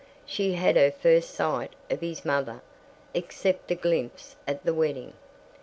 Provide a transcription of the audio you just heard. She had her first sight of his mother, except the glimpse at the wedding.